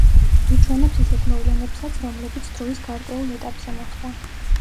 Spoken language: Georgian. გვიჩვენებს ისეთ მოვლენებსაც, რომლებიც დროის გარკვეულ ეტაპზე მოხდა.